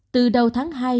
từ đầu tháng hai